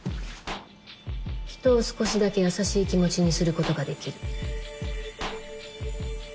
人を少しだけ優しい気持ちにする事ができる。